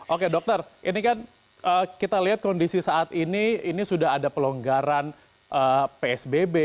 oke dokter ini kan kita lihat kondisi saat ini ini sudah ada pelonggaran psbb